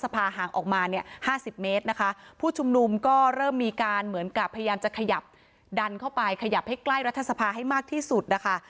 เพิ่มมีการเหมือนกับพยายามจะขยับดันเข้าไปขยับให้ใกล้รัฐสภาให้มากที่สุดนะคะ